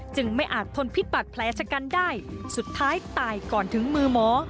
ไม่อาจทนพิษบัตรแผลชะกันได้สุดท้ายตายก่อนถึงมือหมอ